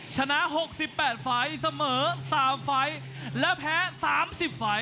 ชนะ๖๘ไฟเสมอ๓ไฟและแพ้๓๐ไฟ